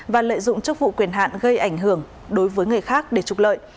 và lợi dụng chức vụ quyền hạn gây ảnh hưởng đối với người khác để trục lợi